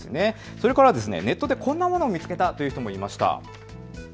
それからネットでこんなものを見つけたという人もいました。